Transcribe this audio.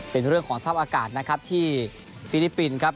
เป็นเรื่องของสภาพอากาศนะครับที่ฟิลิปปินส์ครับ